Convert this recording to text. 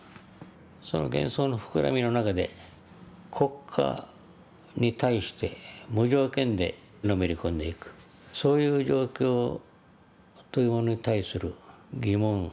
その幻想の膨らみの中で国家に対して無条件でのめり込んでいくそういう状況というものに対する疑問が当然出てきたわけで。